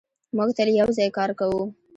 موږ تل یو ځای کار کوو.